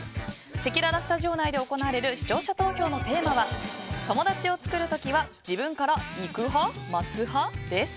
せきららスタジオ内で行われる視聴者投票のテーマは友達を作るときは自分から行く派・待つ派です。